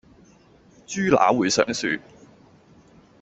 豬乸會上樹